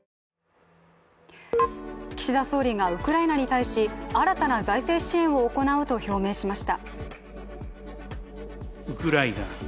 岸田総理がウクライナに対し、新たな財政支援を行うと表明しました。